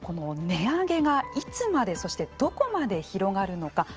値上げがいつまでそしてどこまで広がるのか